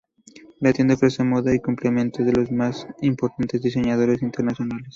La tienda ofrece moda y complementos de los más importantes diseñadores internacionales.